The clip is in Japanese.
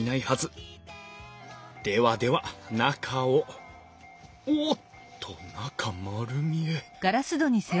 ではでは中をおっと中丸見え。